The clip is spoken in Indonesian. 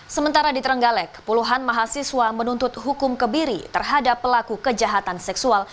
sementara di terenggalek puluhan mahasiswa menuntut hukum kebiri terhadap pelaku kejahatan seksual